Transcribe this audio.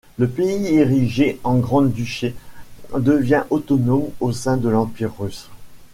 Le pays, érigé en grand-duché, devient autonome au sein de l'Empire russe.